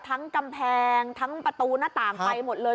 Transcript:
ทั้งกำแพงทั้งประตูหน้าต่างไปหมดเลย